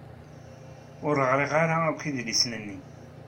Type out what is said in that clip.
Ur ɣriɣ ara akk idlisen-nni.